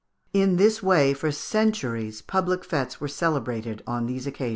In this way for centuries public fêtes were celebrated on these occasions.